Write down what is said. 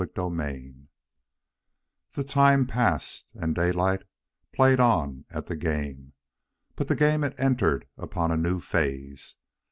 CHAPTER X The time passed, and Daylight played on at the game. But the game had entered upon a new phase.